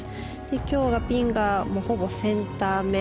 今日はピンがほぼセンターめ。